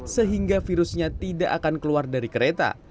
sehingga virusnya tidak akan keluar dari kereta